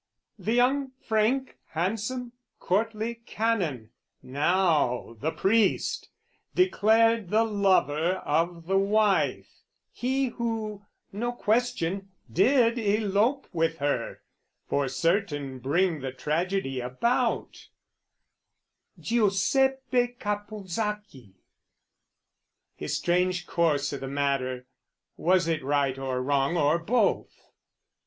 The young frank handsome courtly Canon, now, The priest, declared the lover of the wife, He who, no question, did elope with her, For certain bring the tragedy about, Giuseppe Caponsacchi; his strange course I' the matter, was it right or wrong or both?